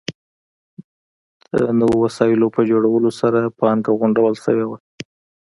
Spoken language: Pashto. د نویو وسایلو په جوړولو سره پانګه غونډول شوې وه.